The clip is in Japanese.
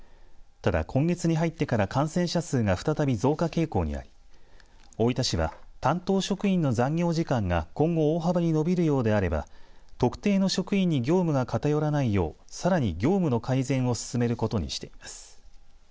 ただ今月に入ってからは感染者数が再び増加傾向にあり大分市は担当職員の残業時間が今後、大幅に延びるようであれば特定の職員に業務が偏らないようさらに業務の改善を進めることにしています。